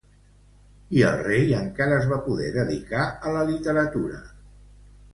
I el rei encara es va poder dedicar a la literatura.